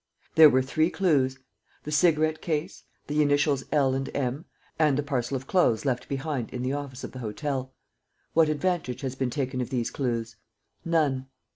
"There were three clues: the cigarette case, the initials L and M and the parcel of clothes left behind in the office of the hotel. What advantage has been taken of these clues? None.